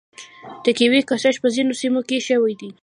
د کیوي کښت په ځینو سیمو کې شوی.